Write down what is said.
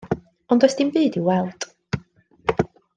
Ond does dim byd i'w weld.